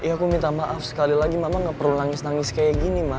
aku minta maaf sekali lagi mama gak perlu nangis nangis kayak gini mas